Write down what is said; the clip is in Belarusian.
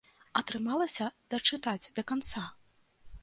Атрымалася дачытаць да канца?